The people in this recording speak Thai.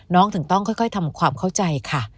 ถึงต้องค่อยทำความเข้าใจค่ะ